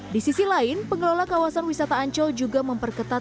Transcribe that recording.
di sisi lain pengelola kawasan wisata ancol juga memperketat